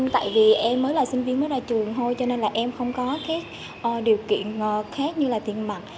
tại vì em mới là sinh viên mới ra trường thôi cho nên là em không có điều kiện khác như là tiền mặt